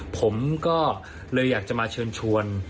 ผมก็เลยอยากจะมาเชิญชวน